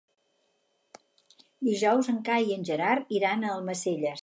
Dijous en Cai i en Gerard iran a Almacelles.